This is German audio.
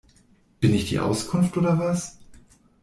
Bin ich die Auskunft oder was?